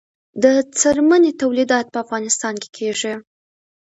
د څرمنې تولیدات په افغانستان کې کیږي